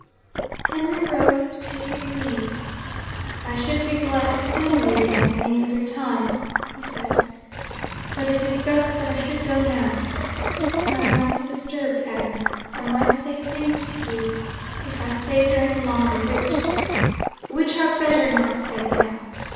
Henry rose to take his leave. 'I should be glad to see Emily again at any other time,' he said. 'But it is best that I should go now. My mind is disturbed, Agnes; I might say things to you, if I stayed here any longer, which which are better not said now.